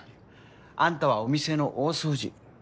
あんたはお店の大掃除。